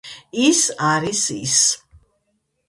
ის არის ის